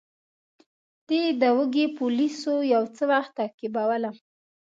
دې دوږخي پولیسو یو څه وخت تعقیبولم.